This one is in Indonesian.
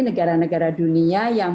negara negara dunia yang